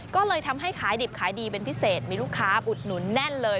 ก็เลยทำให้ขายดิบขายดีเป็นพิเศษมีลูกค้าอุดหนุนแน่นเลย